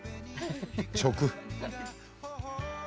直。